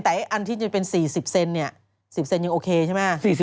แต่อันที่จะเป็น๔๐เซนเนี่ย๑๐เซนยังโอเคใช่ไหม